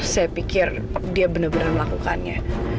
saya pikir dia benar benar melakukannya